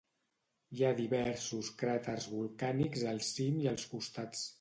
Hi ha diversos cràters volcànics al cim i als costats.